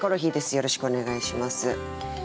よろしくお願いします。